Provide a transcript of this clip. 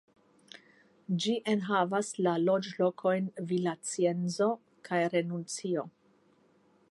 Ĝi enhavas la loĝlokojn Villacienzo kaj Renuncio.